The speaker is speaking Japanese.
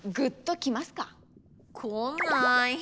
来ない。